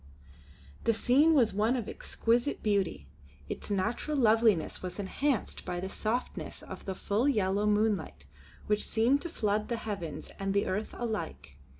The scene was one of exquisite beauty. Its natural loveliness was enhanced by the softness of the full yellow moonlight which seemed to flood the heavens and the earth alike.